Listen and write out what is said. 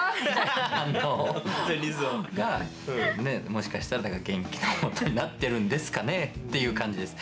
もしかしたら元気のもとになってるんですかね？っていう感じです。